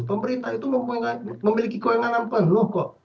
pemerintah itu memiliki kewenangan penuh kok